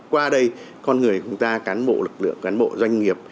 qua đây con người của chúng ta cán bộ lực lượng cán bộ doanh nghiệp